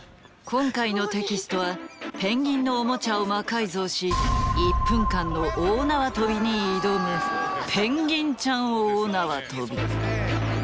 今回のテキストはペンギンのオモチャを魔改造し１分間の大縄跳びに挑むペンギンちゃん大縄跳び。